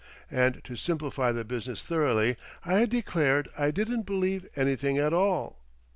And to simplify the business thoroughly I had declared I didn't believe anything at all.